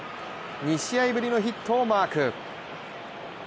２試合ぶりのヒットをマーク。